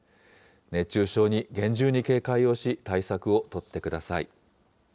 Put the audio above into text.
熱中症に厳重に警戒をし、対策を取ってください。